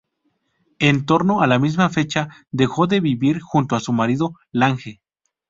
En torno a la misma fecha, dejó de vivir junto a su marido Lange.